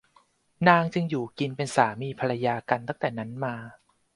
นางจึงอยู่กินเป็นสามีภรรยากันตั้งแต่นั้นมา